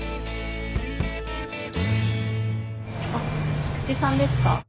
あっ菊池さんですか？